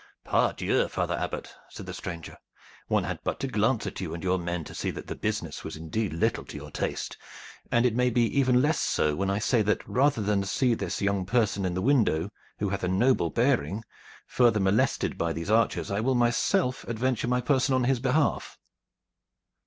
"Pardieu! Father Abbot," said the stranger. "One had but to glance at you and your men to see that the business was indeed little to your taste, and it may be even less so when I say that rather than see this young person in the window, who hath a noble bearing, further molested by these archers, I will myself adventure my person on his behalf."